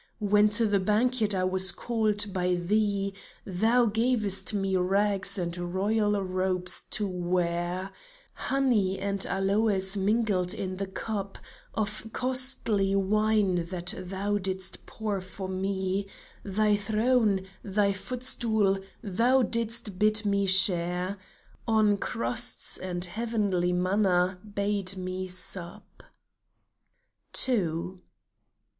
When to the banquet I was called by thee Thou gavest me rags and royal robes to wear ; Honey and aloes mingled in the cup Of costly wine that thou didst pour for me ; Thy throne, thy footstool, thou didst bid me share ; On crusts and heavenly manna bade me sup ! II.